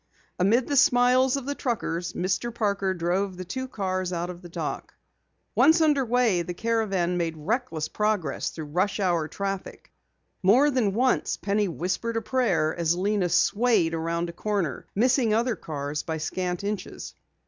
Amid the smiles of the truckers, Mr. Parker drove the two cars out of the dock. Once underway, the caravan made reckless progress through rush hour traffic. More than once Penny whispered a prayer as Lena swayed around a corner, missing other cars by scant inches.